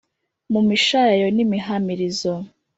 Mu mishayayo n' imihamirizo.